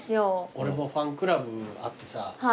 俺もファンクラブあってさ